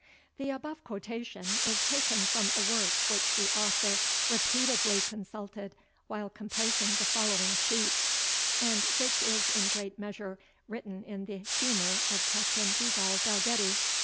The above quotation is taken from a work which the author repeatedly consulted while composing the following sheets, and which is in great measure written in the humour of Captain Dugald Dalgetty.